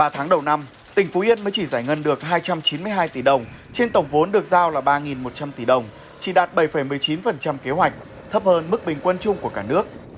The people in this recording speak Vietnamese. ba tháng đầu năm tỉnh phú yên mới chỉ giải ngân được hai trăm chín mươi hai tỷ đồng trên tổng vốn được giao là ba một trăm linh tỷ đồng chỉ đạt bảy một mươi chín kế hoạch thấp hơn mức bình quân chung của cả nước